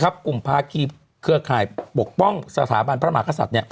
กลุ่มพาขี้เครือคายปกป้องสถาบันพระมหาศัตริย์